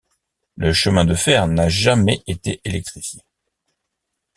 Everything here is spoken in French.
Le chemin de fer n'a jamais été électrifié.